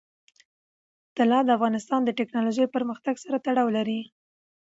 طلا د افغانستان د تکنالوژۍ پرمختګ سره تړاو لري.